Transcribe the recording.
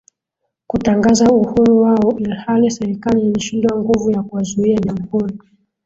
kutangaza uhuru wao ilhali serikali ilishindwa nguvu ya kuwazuia jamhuri